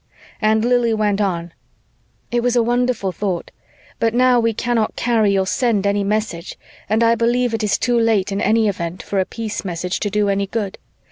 And Lili went on, "It was a wonderful thought, but now we cannot carry or send any message and I believe it is too late in any event for a peace message to do any good.